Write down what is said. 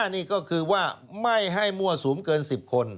นี่ก็คือว่าไม่ให้มั่วสุมเกิน๑๐คน